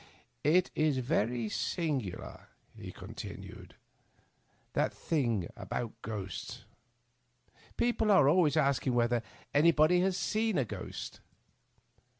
"It is very singular," he continued, "that thing about ghosts. People are always asking whether any body has seen a ghost.